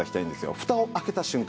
フタを開けた瞬間。